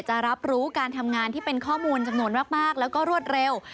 จะรับรู้การทำงานที่เป็นข้อมูลจำนวนมากแล้วก็รวดเร็ว